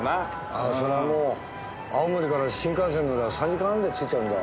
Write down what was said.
ああそれにもう青森から新幹線乗れば３時間半で着いちゃうんだ。